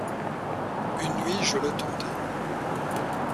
Une nuit je le tentai.